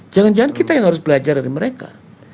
jangan jangan kita yang harus belajar dari mereka